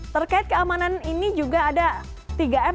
terkait keamanan ini juga ada tiga m